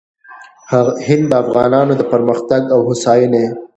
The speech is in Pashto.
هند د افغانانو د پرمختګ او هوساینې